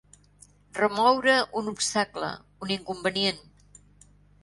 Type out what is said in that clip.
Remoure un obstacle, un inconvenient.